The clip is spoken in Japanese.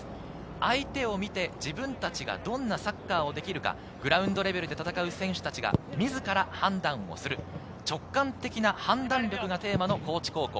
相手を見て自分たちがどんなサッカーをできるか、グラウンドレベルで戦う選手達が自ら判断をする直感的な判断力がテーマの高知高校。